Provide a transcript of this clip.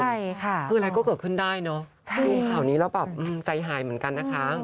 พรุ่งชมคืออะไรก็เกิดขึ้นได้เนอะทุกคราวนี้เราแบบใจหายเหมือนกันนะคะ